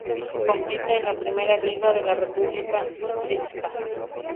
Compite en la Primera Liga de la República Srpska.